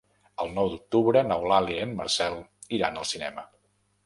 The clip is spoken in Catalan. El nou d'octubre n'Eulàlia i en Marcel iran al cinema.